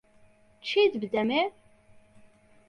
چیت بدەمێ؟